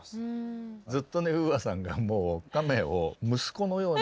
ずっとねＵＡさんが亀を息子のように。